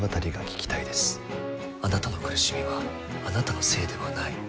あなたの苦しみはあなたのせいではない。